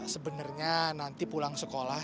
sebenarnya nanti pulang sekolah